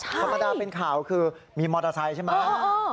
ธรรมดาเป็นข่าวคือมีมอเตอร์ไซค์ใช่ไหม